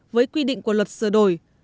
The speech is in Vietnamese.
với quy định của luật sửa đổi